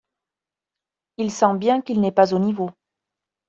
Il sent bien qu’il n’est pas au niveau.